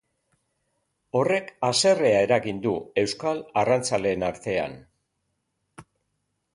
Horrek haserrea eragin du euskal arrantzaleen artean.